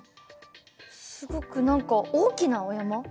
すごく何か大きなお山？